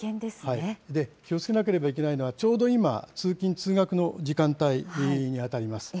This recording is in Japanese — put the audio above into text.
気をつけなければいけないのは、ちょうど今、通勤・通学の時間帯に当たります。